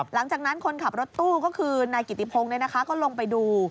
หลังจากนั้นคนขับรถตู้ก็คือนายกิติพงศ์ก็ลงไปดู